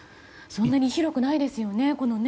そんなに広くないですよね。